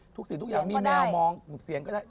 ทุกสินทุกอย่างมีแมวมองมุมเสียงก็ได้